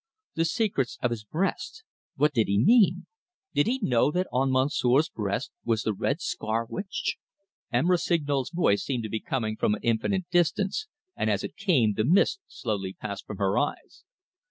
The secrets of his breast what did he mean? Did he know that on Monsieur's breast was the red scar which... M. Rossignol's voice seemed coming from an infinite distance, and as it came, the mist slowly passed from her eyes.